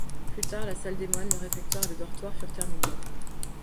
Plus tard, la salle des moines, le réfectoire et le dortoir furent terminés.